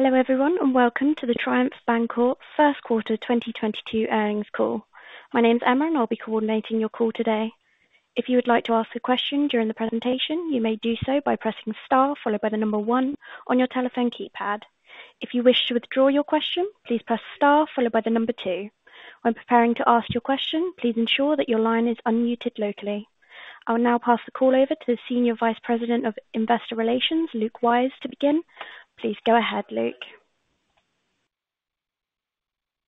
Hello everyone, and welcome to the Triumph Bancorp first quarter 2022 earnings call. My name is Emma, and I'll be coordinating your call today. If you would like to ask a question during the presentation, you may do so by pressing star followed by the number one on your telephone keypad. If you wish to withdraw your question, please press star followed by the number two. When preparing to ask your question, please ensure that your line is unmuted locally. I will now pass the call over to the Senior Vice President of Investor Relations, Luke Wyse, to begin. Please go ahead, Luke.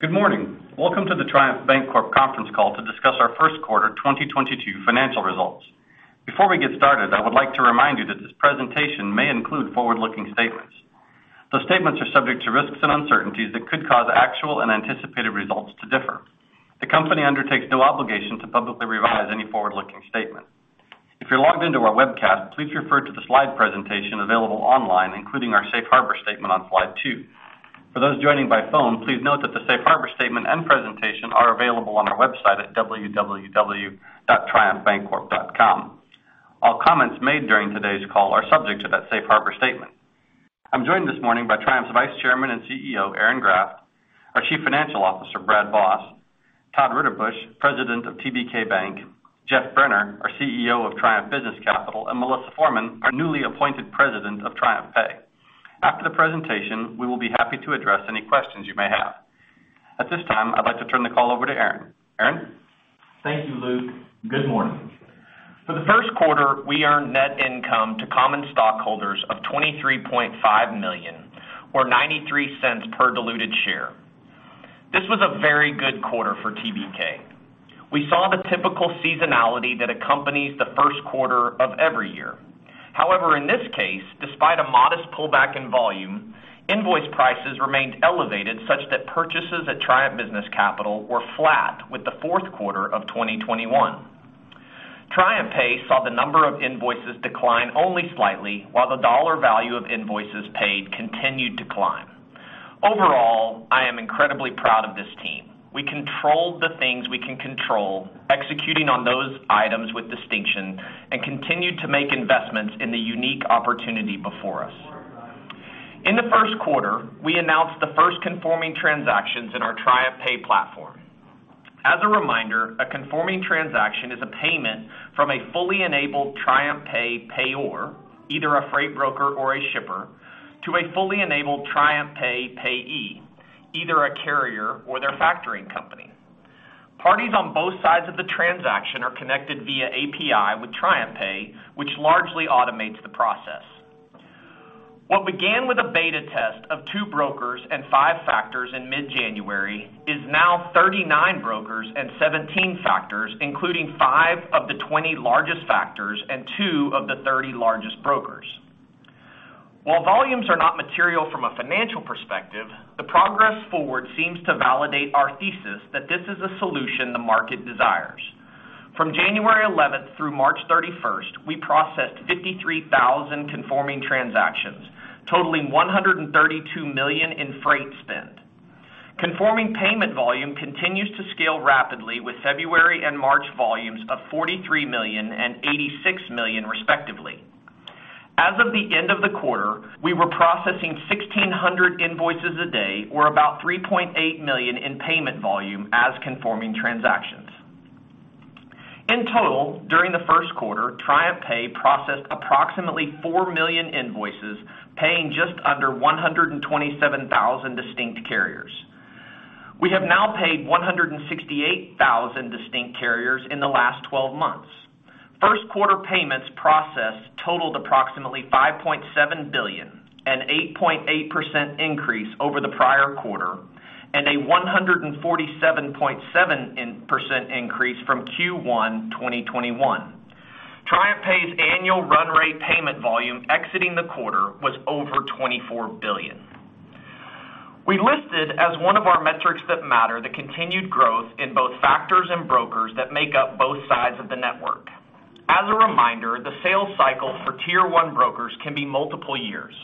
Good morning. Welcome to the Triumph Bancorp conference call to discuss our first quarter 2022 financial results. Before we get started, I would like to remind you that this presentation may include forward-looking statements. The statements are subject to risks and uncertainties that could cause actual and anticipated results to differ. The company undertakes no obligation to publicly revise any forward-looking statement. If you're logged into our webcast, please refer to the slide presentation available online, including our Safe Harbor statement on slide two. For those joining by phone, please note that the Safe Harbor statement and presentation are available on our website at www.triumphbancorp.com. All comments made during today's call are subject to that Safe Harbor statement. I'm joined this morning by Triumph's Vice Chairman and CEO, Aaron Graft, our Chief Financial Officer, Brad Voss, Todd Ritterbusch, President of TBK Bank, Geoff Brenner, our CEO of Triumph Business Capital, and Melissa Forman, our newly appointed President of TriumphPay. After the presentation, we will be happy to address any questions you may have. At this time, I'd like to turn the call over to Aaron. Aaron? Thank you, Luke. Good morning. For the first quarter, we earned net income to common stockholders of $23.5 million or $0.93 per diluted share. This was a very good quarter for TBK. We saw the typical seasonality that accompanies the first quarter of every year. However, in this case, despite a modest pullback in volume, invoice prices remained elevated such that purchases at Triumph Business Capital were flat with the fourth quarter of 2021. TriumphPay saw the number of invoices decline only slightly while the dollar value of invoices paid continued to climb. Overall, I am incredibly proud of this team. We controlled the things we can control, executing on those items with distinction, and continued to make investments in the unique opportunity before us. In the first quarter, we announced the first conforming transactions in our TriumphPay platform. As a reminder, a conforming transaction is a payment from a fully enabled TriumphPay payer, either a freight broker or a shipper, to a fully enabled TriumphPay payee, either a carrier or their factoring company. Parties on both sides of the transaction are connected via API with TriumphPay, which largely automates the process. What began with a beta test of two brokers and five factors in mid-January is now 39 brokers and 17 factors, including five of the 20 largest factors and two of the 30 largest brokers. While volumes are not material from a financial perspective, the progress forward seems to validate our thesis that this is a solution the market desires. From January 11th through March 31st, we processed 53,000 conforming transactions, totaling $132 million in freight spend. Conforming payment volume continues to scale rapidly with February and March volumes of $43 million and $86 million, respectively. As of the end of the quarter, we were processing 1,600 invoices a day or about $3.8 million in payment volume as conforming transactions. In total, during the first quarter, TriumphPay processed approximately 4 million invoices, paying just under 127,000 distinct carriers. We have now paid 168,000 distinct carriers in the last 12 months. First quarter payments processed totaled approximately $5.7 billion, an 8.8% increase over the prior quarter, and a 147.7% increase from Q1 2021. TriumphPay's annual run rate payment volume exiting the quarter was over $24 billion. We listed as one of our metrics that matter the continued growth in both factors and brokers that make up both sides of the network. As a reminder, the sales cycle for Tier 1 brokers can be multiple years.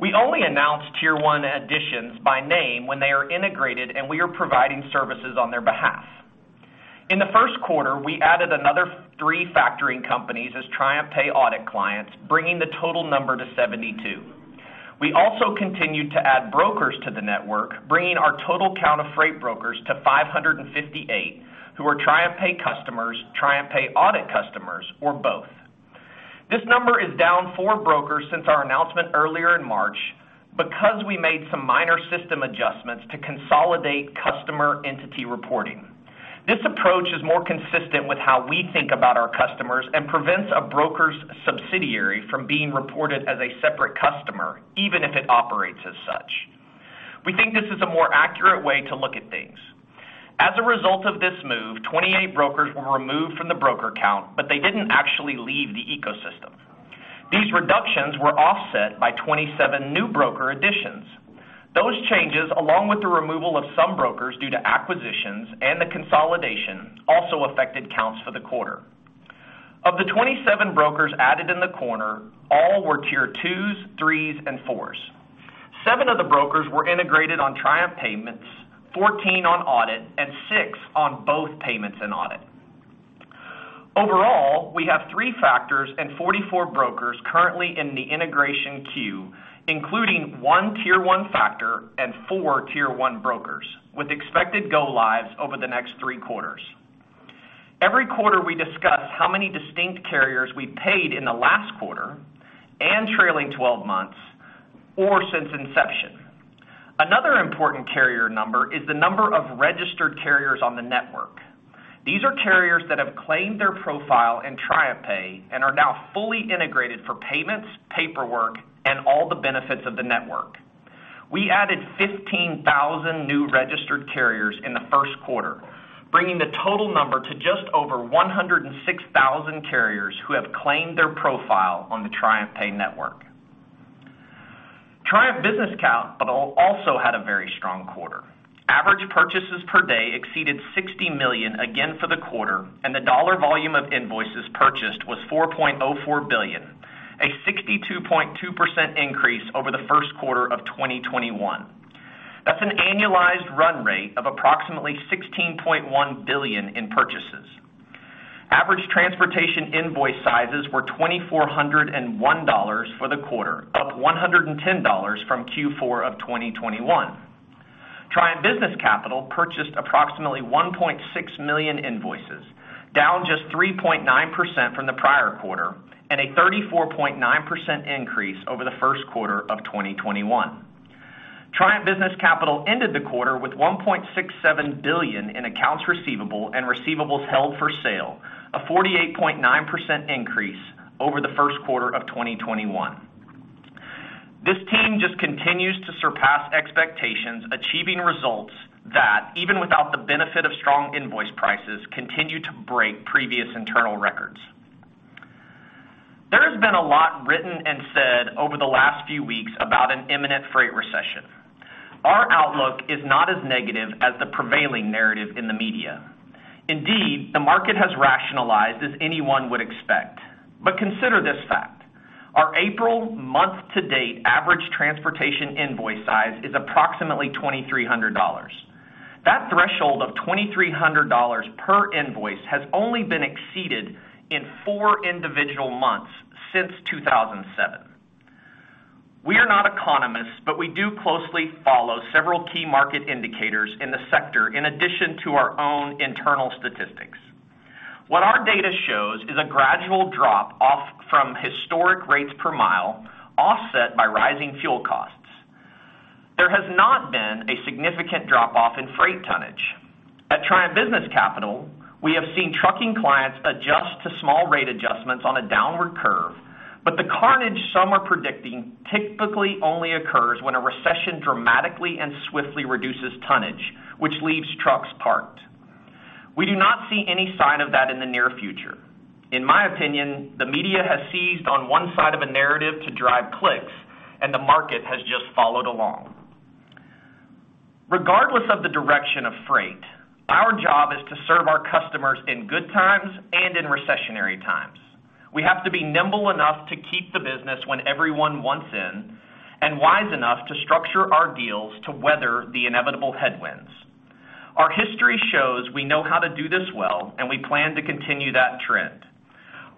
We only announce Tier 1 additions by name when they are integrated, and we are providing services on their behalf. In the first quarter, we added another three factoring companies as TriumphPay audit clients, bringing the total number to 72. We also continued to add brokers to the network, bringing our total count of freight brokers to 558 who are TriumphPay customers, TriumphPay audit customers, or both. This number is down four brokers since our announcement earlier in March because we made some minor system adjustments to consolidate customer entity reporting. This approach is more consistent with how we think about our customers and prevents a broker's subsidiary from being reported as a separate customer, even if it operates as such. We think this is a more accurate way to look at things. As a result of this move, 28 brokers were removed from the broker count, but they didn't actually leave the ecosystem. These reductions were offset by 27 new broker additions. Those changes, along with the removal of some brokers due to acquisitions and the consolidation, also affected counts for the quarter. Of the 27 brokers added in the quarter, all were Tier twos, threes, and fours. Seven of the brokers were integrated on TriumphPay, 14 on audit, and six on both payments and audit. Overall, we have three factors and 44 brokers currently in the integration queue, including one Tier 1 factor and four Tier 1 brokers with expected go lives over the next three quarters. Every quarter, we discuss how many distinct carriers we paid in the last quarter and trailing 12 months or since inception. Another important carrier number is the number of registered carriers on the network. These are carriers that have claimed their profile in TriumphPay and are now fully integrated for payments, paperwork, and all the benefits of the network. We added 15,000 new registered carriers in the first quarter, bringing the total number to just over 106,000 carriers who have claimed their profile on the TriumphPay network. Triumph Business Capital also had a very strong quarter. Average purchases per day exceeded $60 million again for the quarter, and the dollar volume of invoices purchased was $4.04 billion, a 62.2% increase over the first quarter of 2021. That's an annualized run rate of approximately $16.1 billion in purchases. Average transportation invoice sizes were $2,401 for the quarter, up $110 from Q4 of 2021. Triumph Business Capital purchased approximately 1.6 million invoices, down just 3.9% from the prior quarter and a 34.9% increase over the first quarter of 2021. Triumph Business Capital ended the quarter with $1.67 billion in accounts receivable and receivables held for sale, a 48.9% increase over the first quarter of 2021. This team just continues to surpass expectations, achieving results that, even without the benefit of strong invoice prices, continue to break previous internal records. There has been a lot written and said over the last few weeks about an imminent freight recession. Our outlook is not as negative as the prevailing narrative in the media. Indeed, the market has rationalized as anyone would expect. Consider this fact, our April month to date average transportation invoice size is approximately $2,300. That threshold of $2,300 per invoice has only been exceeded in four individual months since 2007. We are not economists, but we do closely follow several key market indicators in the sector in addition to our own internal statistics. What our data shows is a gradual drop off from historic rates per mile offset by rising fuel costs. There has not been a significant drop off in freight tonnage. At Triumph Business Capital, we have seen trucking clients adjust to small rate adjustments on a downward curve, but the carnage some are predicting typically only occurs when a recession dramatically and swiftly reduces tonnage, which leaves trucks parked. We do not see any sign of that in the near future. In my opinion, the media has seized on one side of a narrative to drive clicks, and the market has just followed along. Regardless of the direction of freight, our job is to serve our customers in good times and in recessionary times. We have to be nimble enough to keep the business when everyone wants in, and wise enough to structure our deals to weather the inevitable headwinds. Our history shows we know how to do this well, and we plan to continue that trend.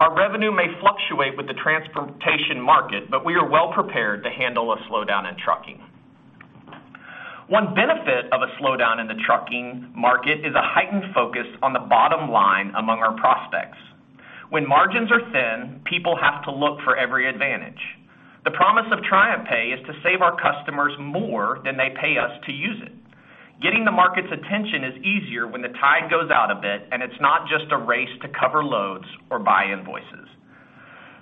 Our revenue may fluctuate with the transportation market, but we are well prepared to handle a slowdown in trucking. One benefit of a slowdown in the trucking market is a heightened focus on the bottom line among our prospects. When margins are thin, people have to look for every advantage. The promise of TriumphPay is to save our customers more than they pay us to use it. Getting the market's attention is easier when the tide goes out a bit, and it's not just a race to cover loads or buy invoices.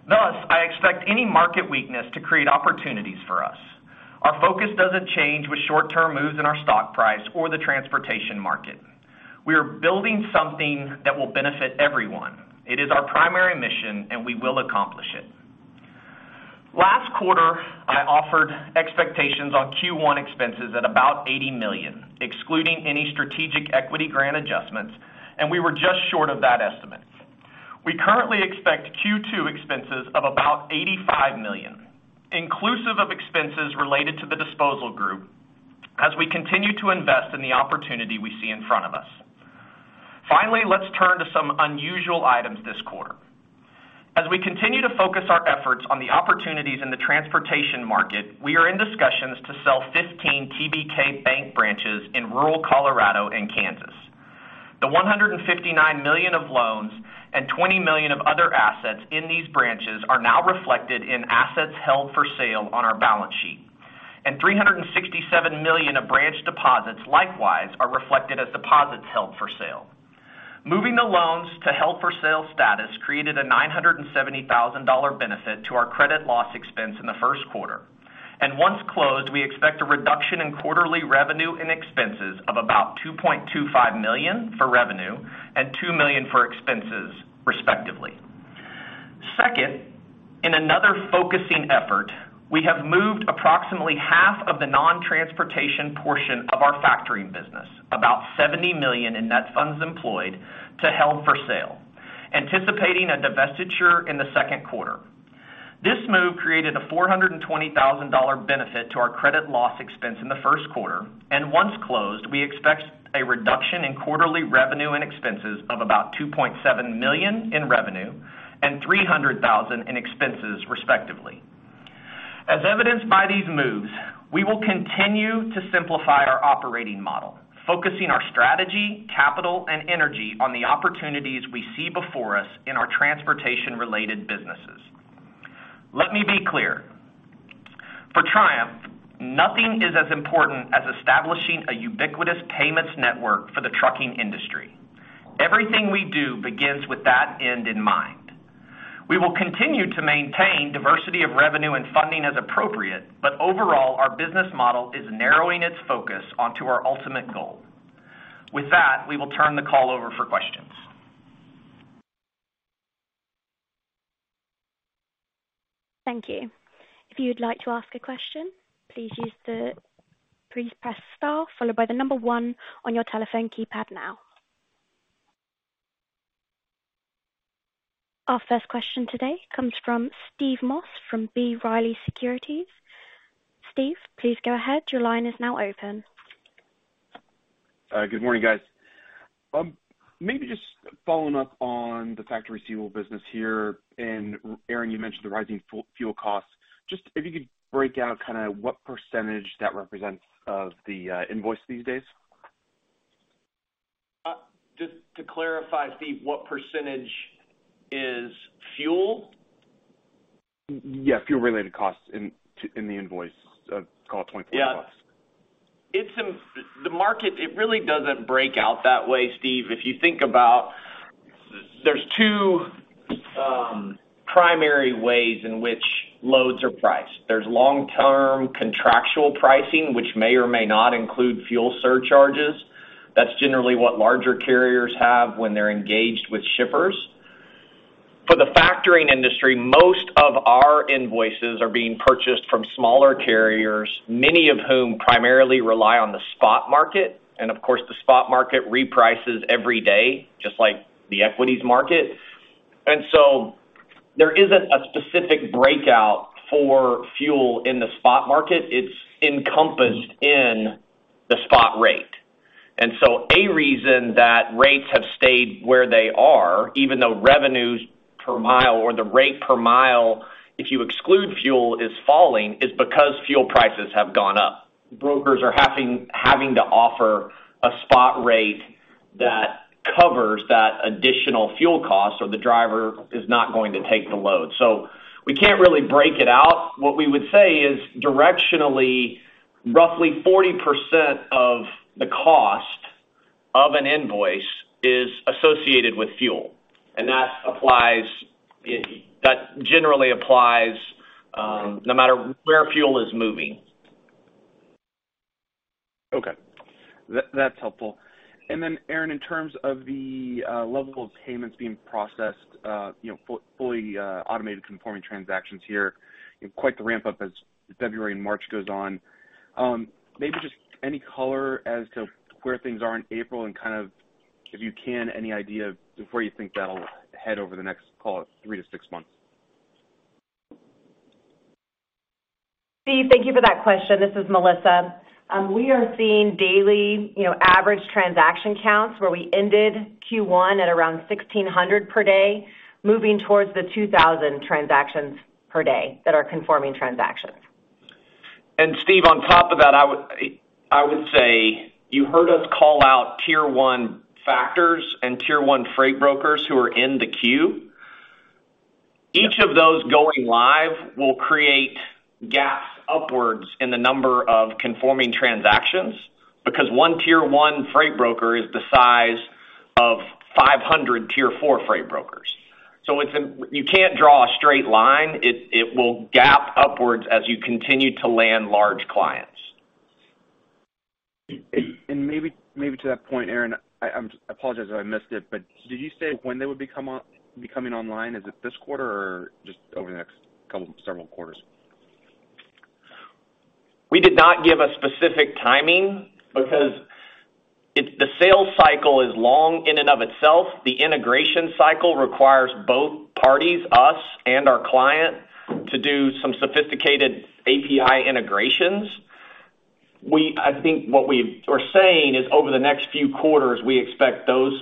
Thus, I expect any market weakness to create opportunities for us. Our focus doesn't change with short term moves in our stock price or the transportation market. We are building something that will benefit everyone. It is our primary mission, and we will accomplish it. Last quarter, I offered expectations on Q1 expenses at about $80 million, excluding any strategic equity grant adjustments, and we were just short of that estimate. We currently expect Q2 expenses of about $85 million, inclusive of expenses related to the disposal group as we continue to invest in the opportunity we see in front of us. Finally, let's turn to some unusual items this quarter. As we continue to focus our efforts on the opportunities in the transportation market, we are in discussions to sell 15 TBK Bank branches in rural Colorado and Kansas. The $159 million of loans and $20 million of other assets in these branches are now reflected in assets held for sale on our balance sheet, and $367 million of branch deposits likewise are reflected as deposits held for sale. Moving the loans to held for sale status created a $970,000 benefit to our credit loss expense in the first quarter. Once closed, we expect a reduction in quarterly revenue and expenses of about $2.25 million for revenue and $2 million for expenses, respectively. Second, in another focusing effort, we have moved approximately half of the non-transportation portion of our factoring business, about $70 million in net funds employed to held for sale, anticipating a divestiture in the second quarter, created a $420,000 benefit to our credit loss expense in the first quarter, and once closed, we expect a reduction in quarterly revenue and expenses of about $2.7 million in revenue and $300,000 in expenses respectively. As evidenced by these moves, we will continue to simplify our operating model, focusing our strategy, capital, and energy on the opportunities we see before us in our transportation-related businesses. Let me be clear. For Triumph, nothing is as important as establishing a ubiquitous payments network for the trucking industry. Everything we do begins with that end in mind. We will continue to maintain diversity of revenue and funding as appropriate, but overall, our business model is narrowing its focus onto our ultimate goal. With that, we will turn the call over for questions. Thank you. If you would like to ask a question, please press star followed by the number one on your telephone keypad now. Our first question today comes from Steve Moss from B. Riley Securities. Steve, please go ahead. Your line is now open. Good morning, guys. Maybe just following up on the factor receivable business here. Aaron, you mentioned the rising fuel costs. Just if you could break out kinda what percentage that represents of the invoice these days. Just to clarify, Steve, what percentage is fuel? Fuel-related costs in the invoice, call it $24+. Yeah. The market, it really doesn't break out that way, Steve. If you think about, there's two primary ways in which loads are priced. There's long-term contractual pricing, which may or may not include fuel surcharges. That's generally what larger carriers have when they're engaged with shippers. For the factoring industry, most of our invoices are being purchased from smaller carriers, many of whom primarily rely on the spot market, and of course, the spot market reprices every day, just like the equities market. There isn't a specific breakout for fuel in the spot market. It's encompassed in the spot rate. A reason that rates have stayed where they are, even though revenues per mile or the rate per mile, if you exclude fuel is falling, is because fuel prices have gone up. Brokers are having to offer a spot rate that covers that additional fuel cost, or the driver is not going to take the load. We can't really break it out. What we would say is, directionally, roughly 40% of the cost of an invoice is associated with fuel, and that generally applies no matter where fuel is moving. Okay. That's helpful. Aaron, in terms of the level of payments being processed, you know, fully automated conforming transactions here, quite the ramp up as February and March goes on. Maybe just any color as to where things are in April and kind of if you can, any idea of where you think that'll head over the next, call it three to six months. Steve, thank you for that question. This is Melissa. We are seeing daily average transaction counts, where we ended Q1 at around 1,600 per day, moving towards the 2,000 transactions per day that are conforming transactions. Steve, on top of that, I would say you heard us call out Tier one factors and Tier one freight brokers who are in the queue. Each of those going live will create gaps upwards in the number of conforming transactions because one Tier one freight broker is the size of 500 Tier four freight brokers. You can't draw a straight line. It will gap upwards as you continue to land large clients. Maybe to that point, Aaron, I apologize if I missed it, but did you say when they would be coming online? Is it this quarter or just over the next several quarters? We did not give a specific timing because the sales cycle is long in and of itself. The integration cycle requires both parties, us and our client, to do some sophisticated API integrations. I think what we are saying is over the next few quarters, we expect those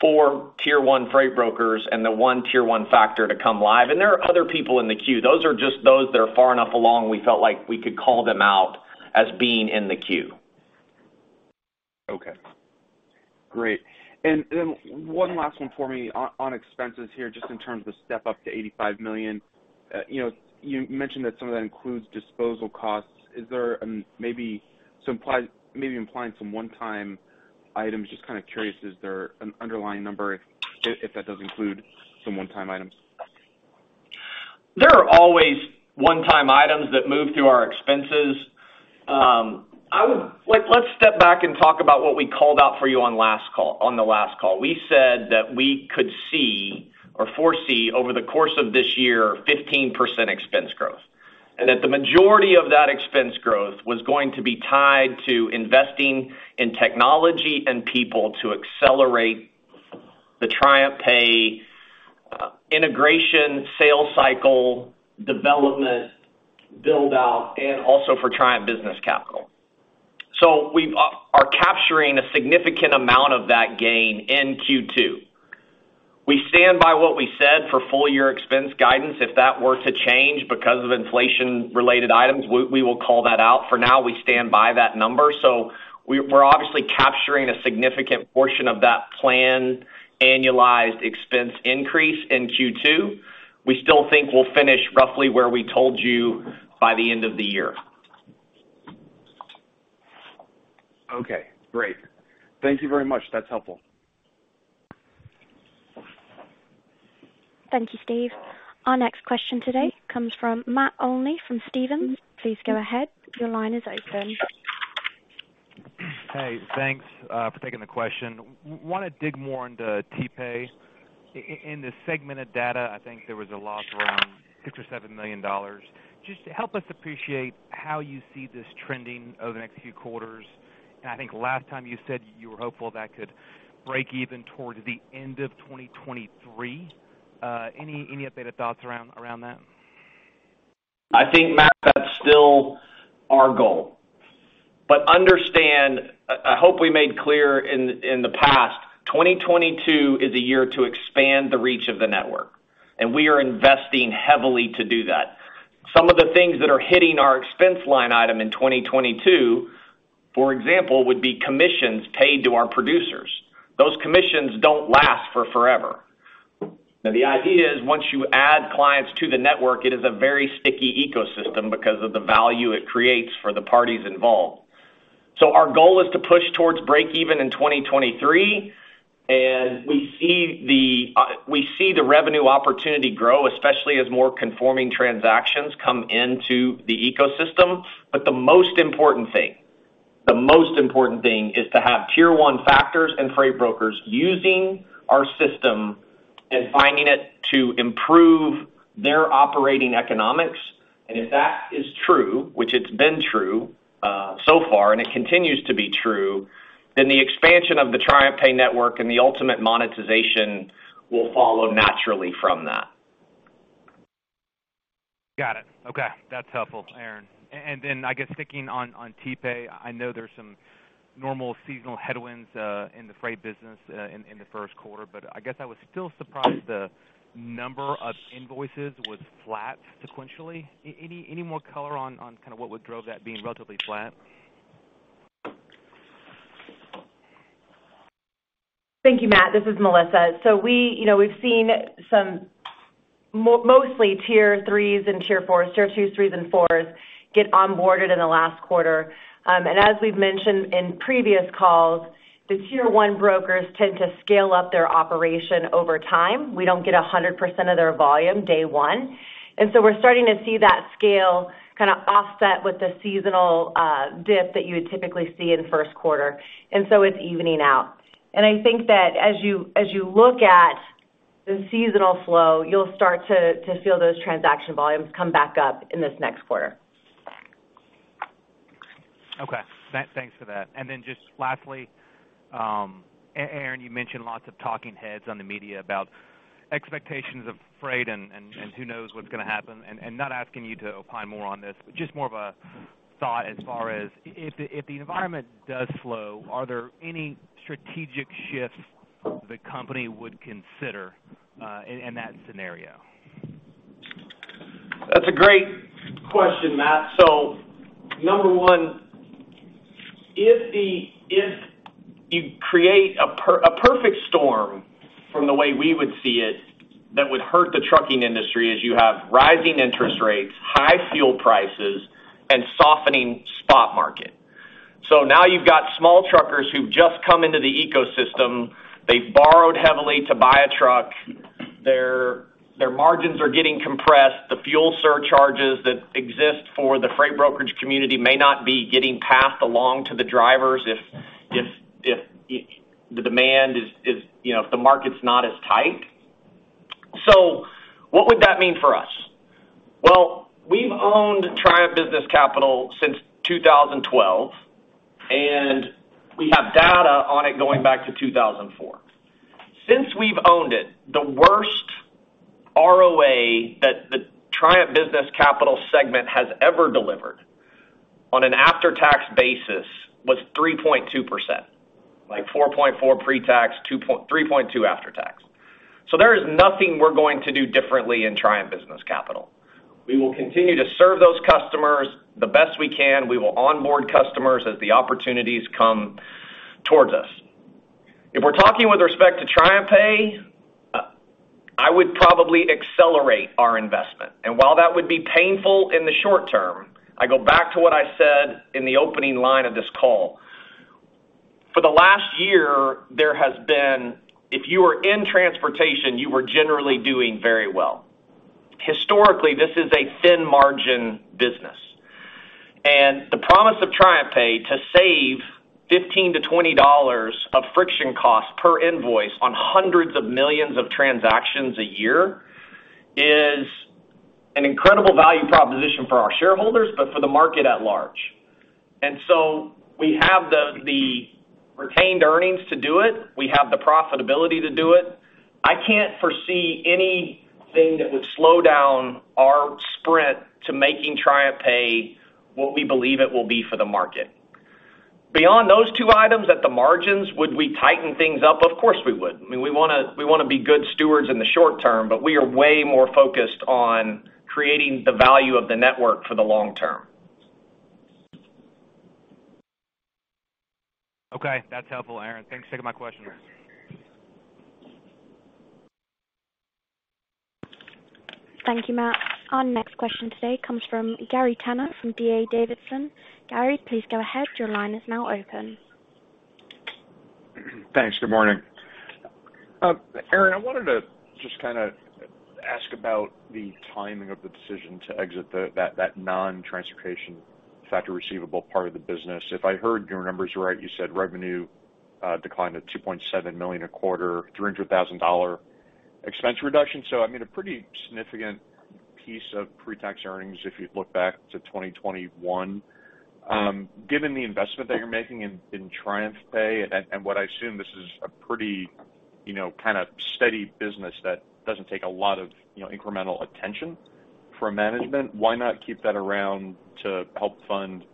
four Tier one freight brokers and the one Tier one factor to come live. There are other people in the queue. Those are just that are far enough along, we felt like we could call them out as being in the queue. Okay, great. Then one last one for me on expenses here, just in terms of step up to $85 million. You know, you mentioned that some of that includes disposal costs. Is there maybe some implied maybe implying some one-time items? Just kind of curious, is there an underlying number if that does include some one-time items? There are always one-time items that move through our expenses. Like, let's step back and talk about what we called out for you on the last call. We said that we could see or foresee over the course of this year, 15% expense growth, and that the majority of that expense growth was going to be tied to investing in technology and people to accelerate the TriumphPay integration sales cycle development build out, and also for Triumph Business Capital. We are capturing a significant amount of that gain in Q2. We stand by what we said for full year expense guidance. If that were to change because of inflation-related items, we will call that out. For now, we stand by that number. We're obviously capturing a significant portion of that planned annualized expense increase in Q2. We still think we'll finish roughly where we told you by the end of the year. Okay, great. Thank you very much. That's helpful. Thank you, Steve. Our next question today comes from Matt Olney, from Stephens. Please go ahead. Your line is open. Hey, thanks for taking the question. I want to dig more into TPay. In the segmented data, I think there was a loss around $6 million-$7 million. Just help us appreciate how you see this trending over the next few quarters. I think last time you said you were hopeful that could break even toward the end of 2023. Any updated thoughts around that? I think, Matt, that's still our goal. Understand, I hope we made clear in the past, 2022 is a year to expand the reach of the network, and we are investing heavily to do that. Some of the things that are hitting our expense line item in 2022, for example, would be commissions paid to our producers. Those commissions don't last for forever. Now, the idea is once you add clients to the network, it is a very sticky ecosystem because of the value it creates for the parties involved. Our goal is to push towards break even in 2023, and we see the revenue opportunity grow, especially as more conforming transactions come into the ecosystem. The most important thing is to have Tier one factors and freight brokers using our system and finding it to improve their operating economics. If that is true, which it's been true, so far, and it continues to be true, then the expansion of the TriumphPay network and the ultimate monetization will follow naturally from that. Got it. Okay, that's helpful, Aaron. I guess sticking on TPay, I know there's some normal seasonal headwinds in the freight business in the first quarter, but I guess I was still surprised the number of invoices was flat sequentially. Any more color on kind of what would drove that being relatively flat? Thank you, Matt. This is Melissa. We, you know, we've seen some mostly Tier threes and Tier fours. Tier twos, threes, and fours get onboarded in the last quarter. As we've mentioned in previous calls, the Tier one brokers tend to scale up their operation over time. We don't get 100% of their volume day one. We're starting to see that scale kinda offset with the seasonal dip that you would typically see in first quarter. It's evening out. I think that as you look at the seasonal flow, you'll start to feel those transaction volumes come back up in this next quarter. Okay. Thanks for that. Then just lastly, Aaron, you mentioned lots of talking heads on the media about expectations of freight and who knows what's gonna happen, and not asking you to opine more on this, but just more of a thought as far as if the environment does slow, are there any strategic shifts the company would consider in that scenario? That's a great question, Matt. Number one, if you create a perfect storm from the way we would see it that would hurt the trucking industry, is you have rising interest rates, high fuel prices, and softening spot market. Now you've got small truckers who've just come into the ecosystem. They've borrowed heavily to buy a truck. Their margins are getting compressed. The fuel surcharges that exist for the freight brokerage community may not be getting passed along to the drivers if the demand is, you know, if the market's not as tight. What would that mean for us? Well, we've owned Triumph Business Capital since 2012, and we have data on it going back to 2004. Since we've owned it, the worst ROA that the Triumph Business Capital segment has ever delivered on an after-tax basis was 3.2%. Like 4.4% pre-tax, 3.2% after tax. There is nothing we're going to do differently in Triumph Business Capital. We will continue to serve those customers the best we can. We will onboard customers as the opportunities come towards us. If we're talking with respect to TriumphPay, I would probably accelerate our investment. While that would be painful in the short term, I go back to what I said in the opening line of this call. For the last year, there has been, if you were in transportation, you were generally doing very well. Historically, this is a thin margin business, and the promise of TriumphPay to save $15-$20 of friction costs per invoice on hundreds of millions of transactions a year is an incredible value proposition for our shareholders, but for the market at large. We have the retained earnings to do it. We have the profitability to do it. I can't foresee anything that would slow down our sprint to making TriumphPay what we believe it will be for the market. Beyond those two items at the margins, would we tighten things up? Of course, we would. I mean, we wanna be good stewards in the short term, but we are way more focused on creating the value of the network for the long term. Okay. That's helpful, Aaron. Thanks. Take my questions. Thank you, Matt. Our next question today comes from Gary Tenner from D.A. Davidson. Gary, please go ahead. Your line is now open. Thanks. Good morning. Aaron, I wanted to just kinda ask about the timing of the decision to exit the that non-transportation factor receivable part of the business. If I heard your numbers right, you said revenue declined at $2.7 million a quarter, $300,000 expense reduction. I mean, a pretty significant piece of pre-tax earnings if you look back to 2021. Given the investment that you're making in TriumphPay and what I assume this is a pretty, you know, kind of steady business that doesn't take a lot of, you know, incremental attention from management, why not keep that around to help fund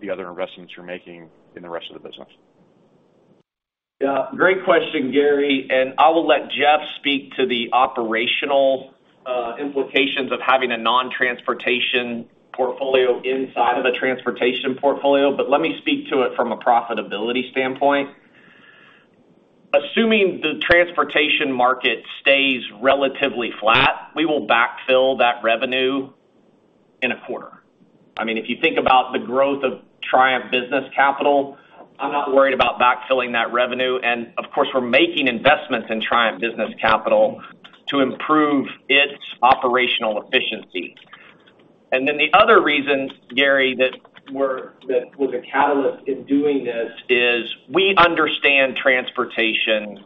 the other investments you're making in the rest of the business? Yeah, great question, Gary. I will let Geoff speak to the operational implications of having a non-transportation portfolio inside of a transportation portfolio, but let me speak to it from a profitability standpoint. Assuming the transportation market stays relatively flat, we will backfill that revenue in a quarter. I mean, if you think about the growth of Triumph Business Capital, I'm not worried about backfilling that revenue. Of course, we're making investments in Triumph Business Capital to improve its operational efficiency. Then the other reason, Gary, that was a catalyst in doing this is we understand transportation,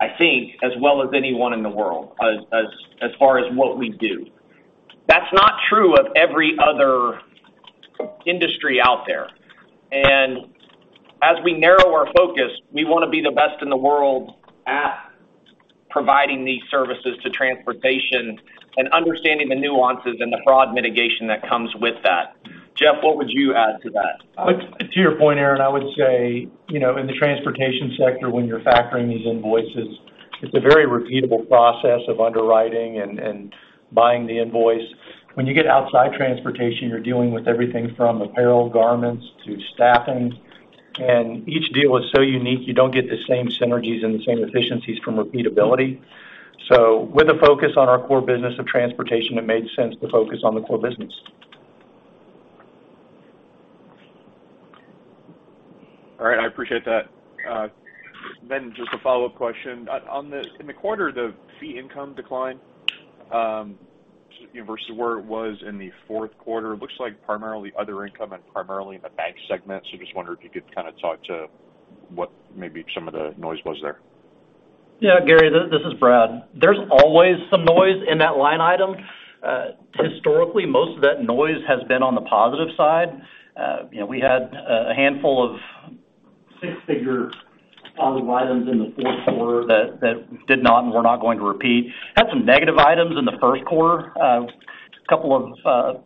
I think, as well as anyone in the world as far as what we do. That's not true of every other industry out there. As we narrow our focus, we wanna be the best in the world at providing these services to transportation and understanding the nuances and the fraud mitigation that comes with that. Geoff, what would you add to that? To your point, Aaron, I would say, you know, in the transportation sector, when you're factoring these invoices, it's a very repeatable process of underwriting and buying the invoice. When you get outside transportation, you're dealing with everything from apparel garments to staffing. Each deal is so unique, you don't get the same synergies and the same efficiencies from repeatability. With a focus on our core business of transportation, it made sense to focus on the core business. All right, I appreciate that. Just a follow-up question. On in the quarter, the fee income decline versus where it was in the fourth quarter, it looks like primarily other income and primarily in the bank segment. Just wonder if you could kinda talk to what maybe some of the noise was there. Yeah, Gary, this is Brad. There's always some noise in that line item. Historically, most of that noise has been on the positive side. You know, we had a handful of six-figure positive items in the fourth quarter that did not and we're not going to repeat. Had some negative items in the first quarter. A couple of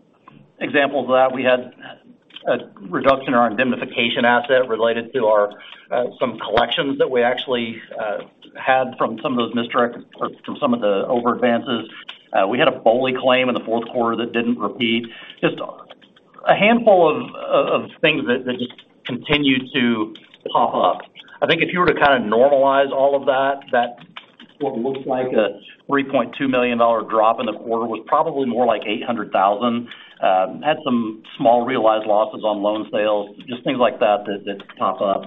examples of that, we had a reduction in our indemnification asset related to our some collections that we actually had from some of those misdirect or from some of the over advances. We had a BOLI claim in the fourth quarter that didn't repeat. Just a handful of things that just continued to pop up. I think if you were to kinda normalize all of that what looks like a $3.2 million drop in the quarter was probably more like $800,000. Had some small realized losses on loan sales, just things like that that pop up.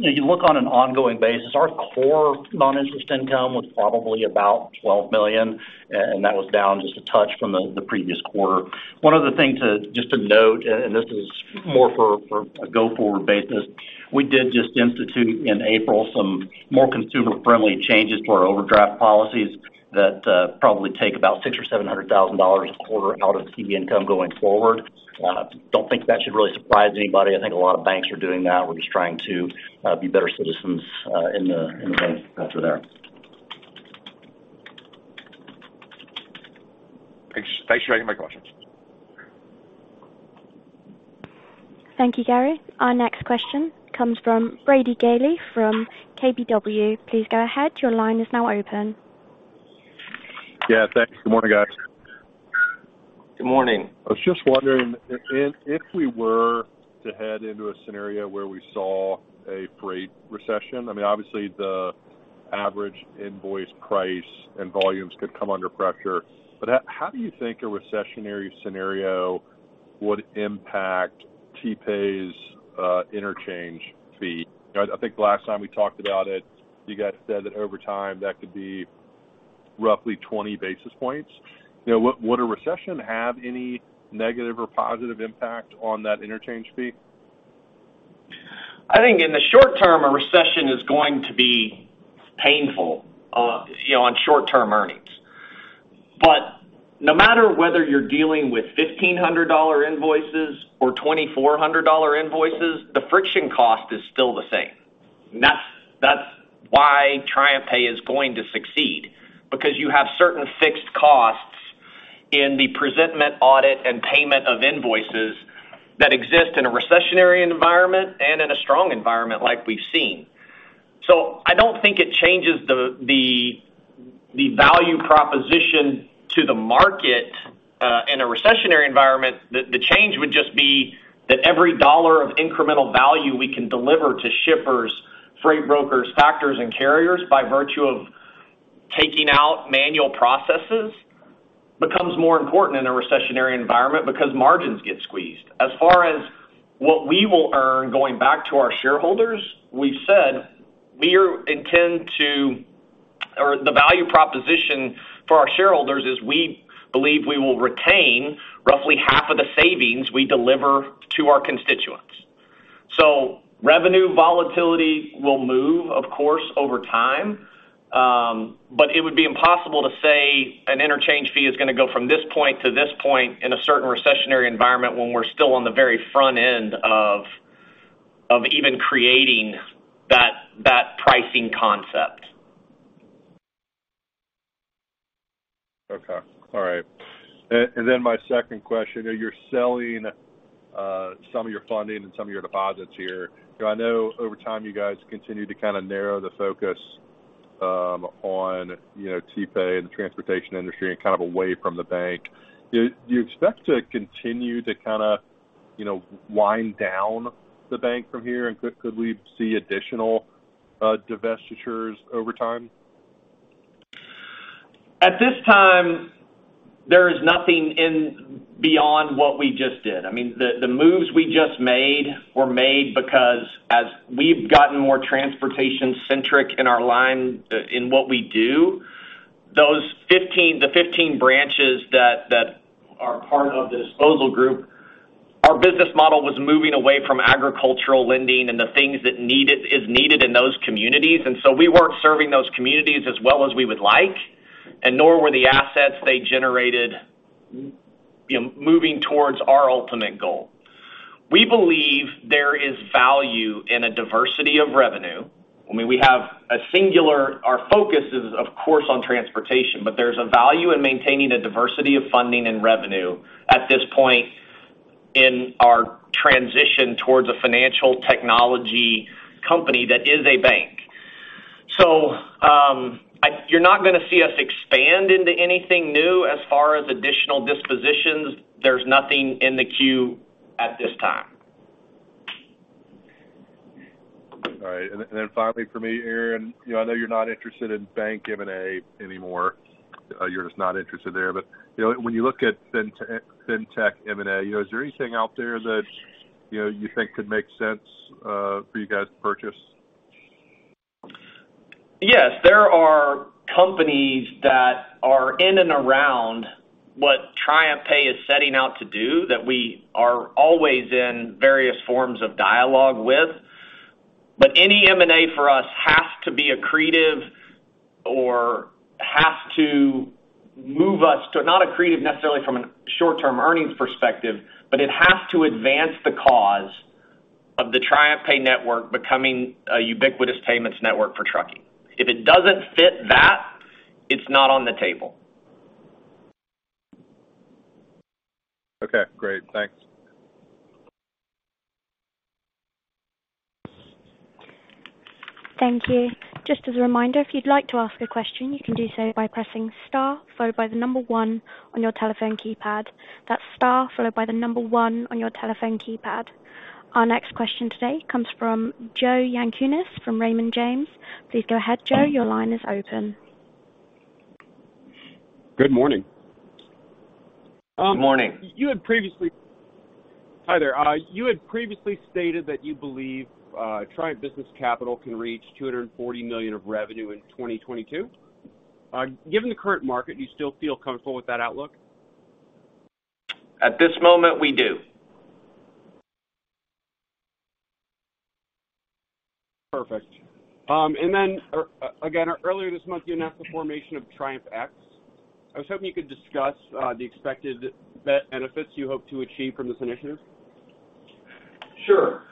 You look on an ongoing basis, our core non-interest income was probably about $12 million, and that was down just a touch from the previous quarter. One of the things just to note, and this is more for a go-forward basis, we did just institute in April some more consumer-friendly changes to our overdraft policies that probably take about $600,000 or $700,000 a quarter out of fee income going forward. Don't think that should really surprise anybody. I think a lot of banks are doing that. We're just trying to be better citizens in the bank sector there. Thanks. Thanks for taking my questions. Thank you, Gary. Our next question comes from Brady Gailey from KBW. Please go ahead. Your line is now open. Yeah, thanks. Good morning, guys. Good morning. I was just wondering if we were to head into a scenario where we saw a freight recession, I mean, obviously the average invoice price and volumes could come under pressure. But how do you think a recessionary scenario would impact TriumphPay's interchange fee? You know, I think the last time we talked about it, you guys said that over time, that could be roughly 20 basis points. You know, would a recession have any negative or positive impact on that interchange fee? I think in the short term, a recession is going to be painful, you know, on short-term earnings. No matter whether you're dealing with $1,500 invoices or $2,400 invoices, the friction cost is still the same. That's why TriumphPay is going to succeed, because you have certain fixed costs in the presentment, audit, and payment of invoices that exist in a recessionary environment and in a strong environment like we've seen. I don't think it changes the value proposition to the market in a recessionary environment. The change would just be that every dollar of incremental value we can deliver to shippers, freight brokers, factors and carriers by virtue of taking out manual processes becomes more important in a recessionary environment because margins get squeezed. As far as what we will earn going back to our shareholders, we've said we intend to. The value proposition for our shareholders is we believe we will retain roughly half of the savings we deliver to our constituents. Revenue volatility will move, of course, over time, but it would be impossible to say an interchange fee is gonna go from this point to this point in a certain recessionary environment when we're still on the very front end of even creating that pricing concept. Okay. All right. My second question, you're selling some of your funding and some of your deposits here. I know over time you guys continue to kinda narrow the focus on you know, TPay and the transportation industry and kind of away from the bank. Do you expect to continue to kinda you know, wind down the bank from here? Could we see additional divestitures over time? At this time, there is nothing beyond what we just did. I mean, the moves we just made were made because as we've gotten more transportation-centric in our line in what we do, those 15 branches that are part of the disposal group, our business model was moving away from agricultural lending and the things that is needed in those communities, and so we weren't serving those communities as well as we would like, and nor were the assets they generated, you know, moving towards our ultimate goal. We believe there is value in a diversity of revenue. I mean, our focus is, of course, on transportation, but there's a value in maintaining a diversity of funding and revenue at this point in our transition towards a financial technology company that is a bank. You're not gonna see us expand into anything new as far as additional dispositions. There's nothing in the queue at this time. All right. Finally for me, Aaron, you know, I know you're not interested in bank M&A anymore. You're just not interested there. You know, when you look at fintech M&A, you know, is there anything out there that, you know, you think could make sense, for you guys to purchase? Yes. There are companies that are in and around what TriumphPay is setting out to do that we are always in various forms of dialogue with. Any M&A for us has to be accretive or has to move us to, not accretive necessarily from a short-term earnings perspective, but it has to advance the cause of the TriumphPay network becoming a ubiquitous payments network for trucking. If it doesn't fit that, it's not on the table. Okay, great. Thanks. Thank you. Just as a reminder, if you'd like to ask a question, you can do so by pressing star followed by the number one on your telephone keypad. That's star followed by the number one on your telephone keypad. Our next question today comes from Joe Yanchunis from Raymond James. Please go ahead, Joe. Your line is open. Good morning. Good morning. You had previously stated that you believe Triumph Business Capital can reach $240 million of revenue in 2022. Given the current market, do you still feel comfortable with that outlook? At this moment, we do. Perfect. Again, earlier this month, you announced the formation of TriumphX. I was hoping you could discuss the expected benefits you hope to achieve from this initiative. Sure.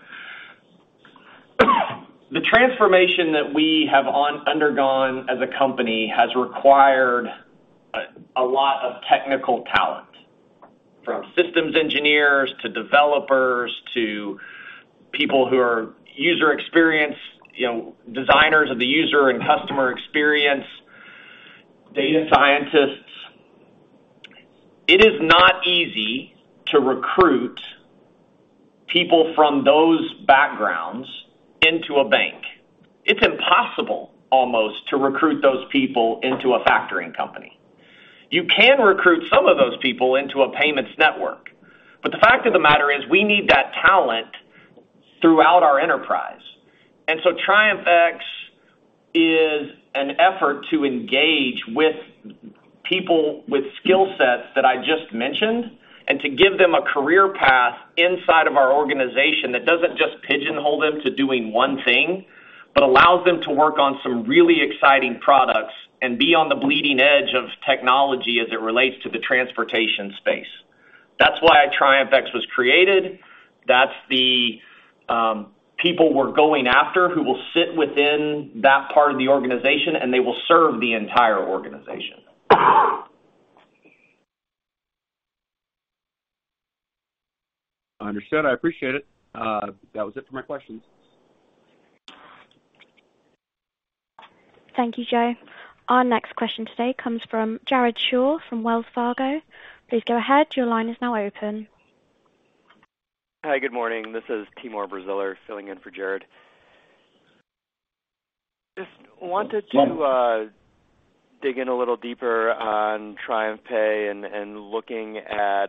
The transformation that we have undergone as a company has required a lot of technical talent, from systems engineers to developers to people who are user experience, you know, designers of the user and customer experience, data scientists. It is not easy to recruit people from those backgrounds into a bank. It's impossible almost to recruit those people into a factoring company. You can recruit some of those people into a payments network. But the fact of the matter is we need that talent throughout our enterprise. TriumphX to engage with people with skill sets that I just mentioned, and to give them a career path inside of our organization that doesn't just pigeonhole them to doing one thing, but allows them to work on some really exciting products and be on the bleeding edge of technology as it relates to the transportation space. That's why TriumphX was created. That's the people we're going after who will sit within that part of the organization, and they will serve the entire organization. Understood. I appreciate it. That was it for my questions. Thank you, Joe. Our next question today comes from Jared Shaw from Wells Fargo. Please go ahead. Your line is now open. Hi. Good morning. This is Tim Switzer filling in for Jared. Just wanted to dig in a little deeper on TriumphPay and looking at,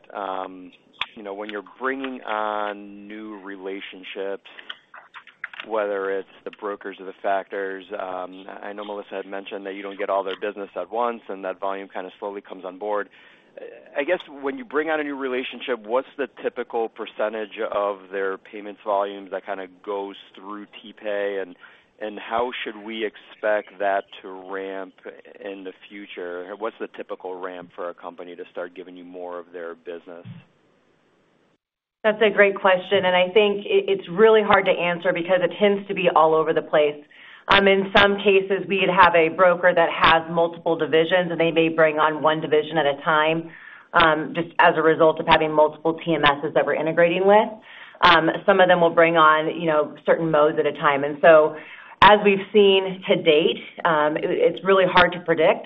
you know, when you're bringing on new relationships, whether it's the brokers or the factors, I know Melissa had mentioned that you don't get all their business at once, and that volume kinda slowly comes on board. I guess when you bring on a new relationship, what's the typical percentage of their payments volume that kinda goes through TPay, and how should we expect that to ramp in the future? What's the typical ramp for a company to start giving you more of their business? That's a great question, and I think it's really hard to answer because it tends to be all over the place. In some cases, we'd have a broker that has multiple divisions, and they may bring on one division at a time, just as a result of having multiple TMSs that we're integrating with. Some of them will bring on, you know, certain modes at a time. As we've seen to date, it's really hard to predict.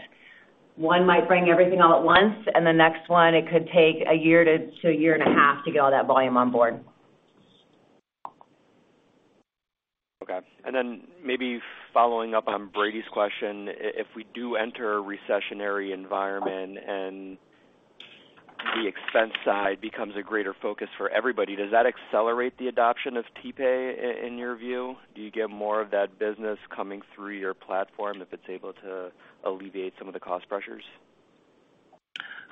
One might bring everything all at once, and the next one, it could take a year to a year and a half to get all that volume on board. Okay. Maybe following up on Brady's question, if we do enter a recessionary environment and the expense side becomes a greater focus for everybody, does that accelerate the adoption of TPay in your view? Do you get more of that business coming through your platform if it's able to alleviate some of the cost pressures?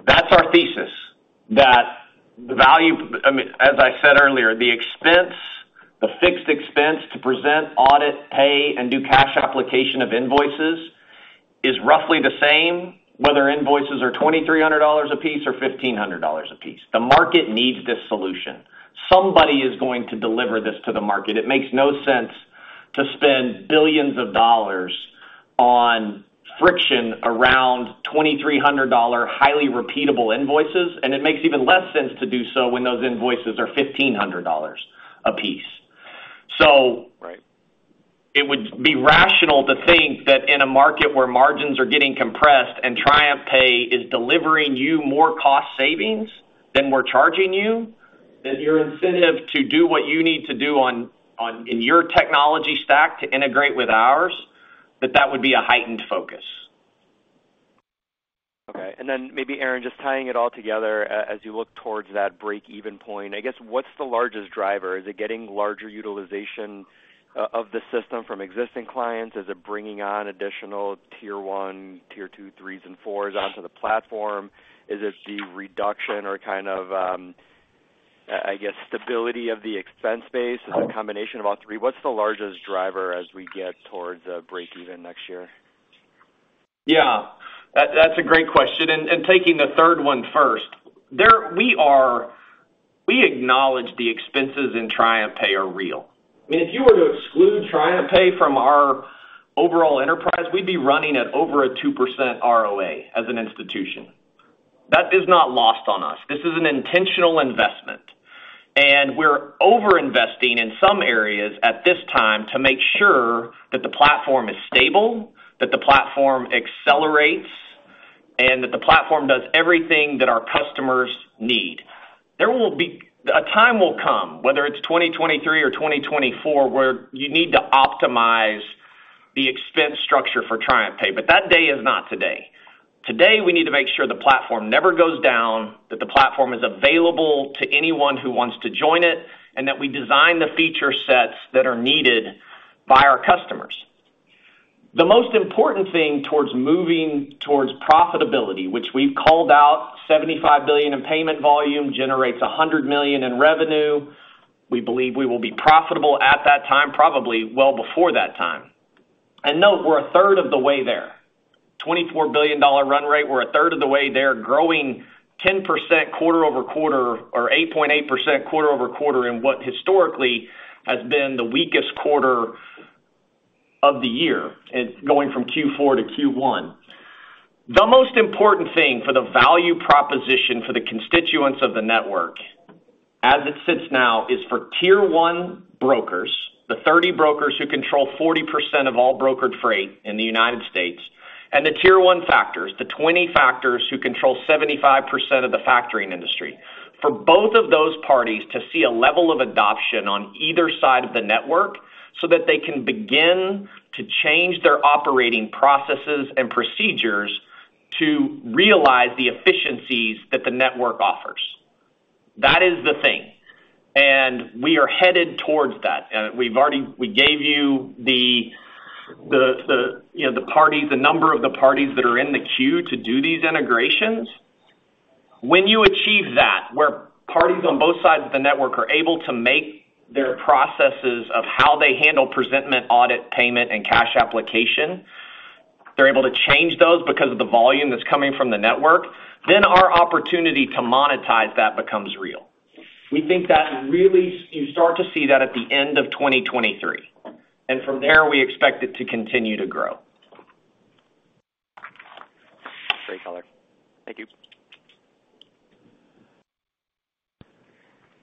That's our thesis that the value I mean, as I said earlier, the expense, the fixed expense to process, audit, pay and do cash application of invoices is roughly the same, whether invoices are $2,300 a piece or $1,500 a piece. The market needs this solution. Somebody is going to deliver this to the market. It makes no sense to spend billions of dollars on friction around $2,300 highly repeatable invoices, and it makes even less sense to do so when those invoices are $1,500 a piece. Right. It would be rational to think that in a market where margins are getting compressed and TriumphPay is delivering you more cost savings than we're charging you, that your incentive to do what you need to do in your technology stack to integrate with ours, that would be a heightened focus. Okay. Maybe, Aaron, just tying it all together, as you look towards that break-even point, I guess what's the largest driver? Is it getting larger utilization of the system from existing clients? Is it bringing on additional Tier 1, Tier 2, Tier 3s and Tier 4s ours onto the platform? Is it the reduction or kind of, I guess, stability of the expense base? Is it a combination of all three? What's the largest driver as we get towards break-even next year? Yeah. That's a great question. Taking the third one first. We acknowledge the expenses in TriumphPay are real. I mean, if you were to exclude TriumphPay from our overall enterprise, we'd be running at over a 2% ROA as an institution. That is not lost on us. This is an intentional investment, and we're over-investing in some areas at this time to make sure that the platform is stable, that the platform accelerates, and that the platform does everything that our customers need. A time will come, whether it's 2023 or 2024, where you need to optimize the expense structure for TriumphPay, but that day is not today. Today, we need to make sure the platform never goes down, that the platform is available to anyone who wants to join it, and that we design the feature sets that are needed by our customers. The most important thing towards moving towards profitability, which we've called out $75 billion in payment volume, generates $100 million in revenue. We believe we will be profitable at that time, probably well before that time. Note, we're a third of the way there. $24 billion run rate, we're a third of the way there, growing 10% quarter-over-quarter or 8.8% quarter-over-quarter in what historically has been the weakest quarter of the year, and going from Q4 to Q1. The most important thing for the value proposition for the constituents of the network as it sits now is for Tier 1 brokers, the 30 brokers who control 40% of all brokered freight in the United States, and the Tier 1 factors, the 20 factors who control 75% of the factoring industry. For both of those parties to see a level of adoption on either side of the network so that they can begin to change their operating processes and procedures to realize the efficiencies that the network offers. That is the thing. We are headed towards that. We gave you the, you know, the number of the parties that are in the queue to do these integrations. When you achieve that, where parties on both sides of the network are able to make their processes of how they handle presentment, audit, payment and cash application, they're able to change those because of the volume that's coming from the network, then our opportunity to monetize that becomes real. We think that really you start to see that at the end of 2023, and from there, we expect it to continue to grow. Great color. Thank you.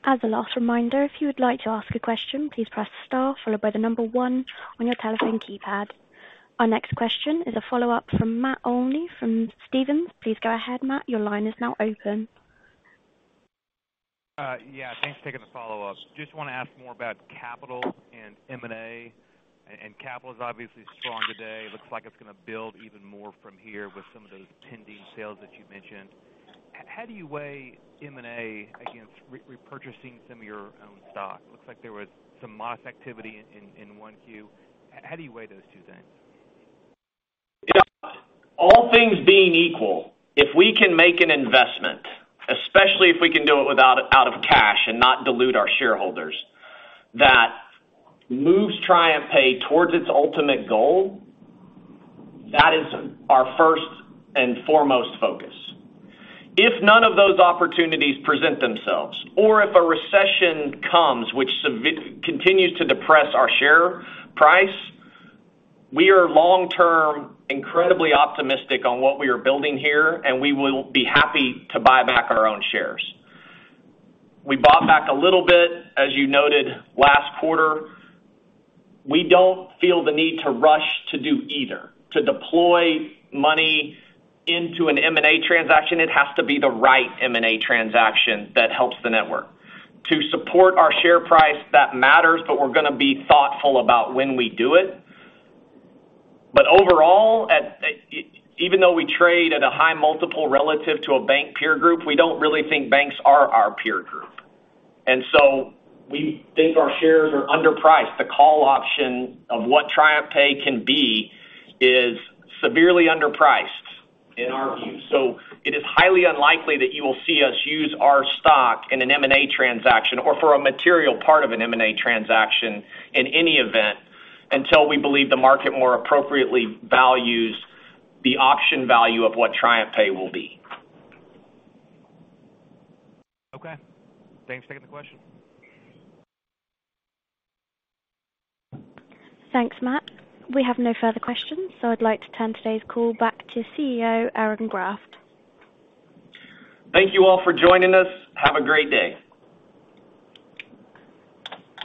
As a last reminder, if you would like to ask a question, please press star followed by one on your telephone keypad. Our next question is a follow-up from Matt Olney from Stephens. Please go ahead, Matt. Your line is now open. Yeah, thanks for taking the follow-up. Just wanna ask more about capital and M&A, and capital is obviously strong today. Looks like it's gonna build even more from here with some of those pending sales that you mentioned. How do you weigh M&A against repurchasing some of your own stock? Looks like there was some buyback activity in 1Q. How do you weigh those two things? Yeah. All things being equal, if we can make an investment, especially if we can do it without outlay of cash and not dilute our shareholders, that moves TriumphPay toward its ultimate goal, that is our first and foremost focus. If none of those opportunities present themselves or if a recession comes which continues to depress our share price, we are long-term incredibly optimistic on what we are building here, and we will be happy to buy back our own shares. We bought back a little bit, as you noted last quarter. We don't feel the need to rush to do either. To deploy money into an M&A transaction, it has to be the right M&A transaction that helps the network. To support our share price, that matters, but we're gonna be thoughtful about when we do it. Overall, even though we trade at a high multiple relative to a bank peer group, we don't really think banks are our peer group. We think our shares are underpriced. The call option of what TriumphPay can be is severely underpriced in our view. It is highly unlikely that you will see us use our stock in an M&A transaction or for a material part of an M&A transaction in any event, until we believe the market more appropriately values the option value of what TriumphPay will be. Okay. Thanks for taking the question. Thanks, Matt. We have no further questions, so I'd like to turn today's call back to CEO Aaron Graft. Thank you all for joining us. Have a great day.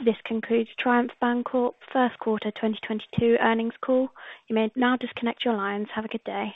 This concludes Triumph Bancorp's first quarter 2022 earnings call. You may now disconnect your lines. Have a good day.